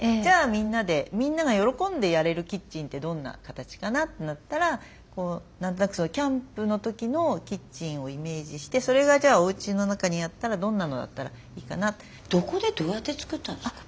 みんなで「みんなが喜んでやれるキッチンってどんな形かな」ってなったらこう何となくキャンプの時のキッチンをイメージしてそれがじゃあおうちの中にあったらどんなのだったらいいかなって。どこでどうやって作ったんですか？